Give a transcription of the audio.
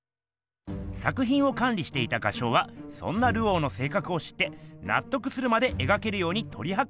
作品をかん理していた画商はそんなルオーのせいかくを知って納得するまでえがけるようにとり計らっていました。